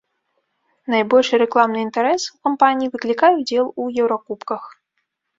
Найбольшы рэкламны інтарэс у кампаній выклікае ўдзел у еўракубках.